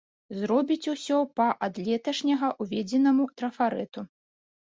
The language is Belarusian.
Зробіць усё па ад леташняга ўведзенаму трафарэту.